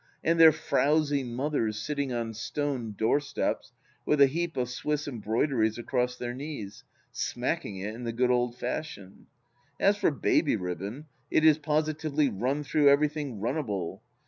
And their frowsy mothers sitting on stone doorsteps, with a heap of Swiss embroideries across their knees, smacking it in the good old fashion I As for baby ribbon, it is positively run through everything runnable.